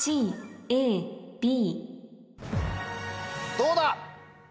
どうだ？